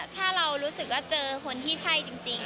ถ้าเรารู้สึกว่าเจอคนที่ใช่จริง